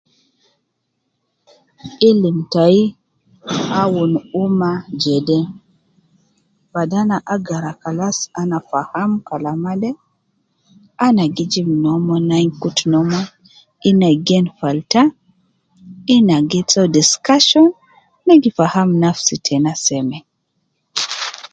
Ilim tai awun ummah jede: bada ana agara kalas ana faham kalama de, ana gijib nomon angikutu nomon ina gen falta ina giso discussion ina gifaham nafsi tena seme